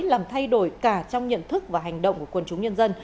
làm thay đổi cả trong nhận thức và hành động của quân chúng nhân dân